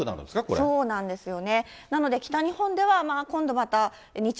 そうなんですよね。